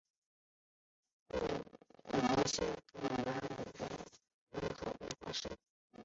罗谢布兰人口变化图示